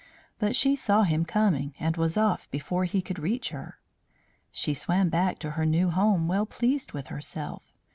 But she saw him coming, and was off before he could reach her. She swam back to her new home, well pleased with herself.